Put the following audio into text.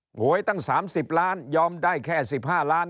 หวยตั้ง๓๐ล้านยอมได้แค่๑๕ล้าน